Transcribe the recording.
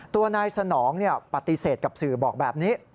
ตัวนายสนองปฏิเสธกับสื่อบอกแบบนี้